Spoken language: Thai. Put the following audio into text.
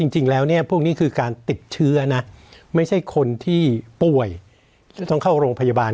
จริงแล้วเนี่ยพวกนี้คือการติดเชื้อนะไม่ใช่คนที่ป่วยจะต้องเข้าโรงพยาบาล